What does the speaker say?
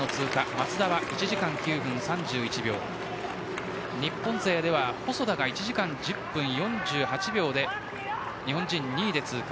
松田は１時間９分３１秒日本勢では細田が１時間１０分４８秒で日本人２位で通過。